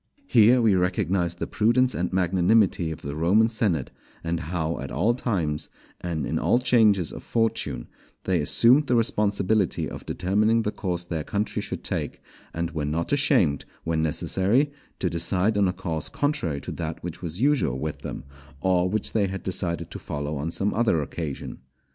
Here we recognize the prudence and magnanimity of the Roman senate, and how at all times, and in all changes of fortune, they assumed the responsibility of determining the course their country should take; and were not ashamed, when necessary, to decide on a course contrary to that which was usual with them, or which they had decided to follow on some other occasion.